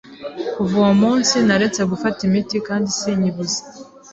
Kuva uwo munsi, naretse gufata imiti kandi sinkibuza